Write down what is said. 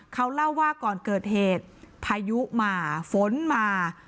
เขาเล่าว่าก่อนเกิดเหตุพายุมาฝนมา